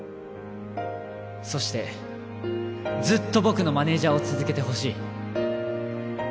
そしてずっと僕のマネージャーを続けてほしい。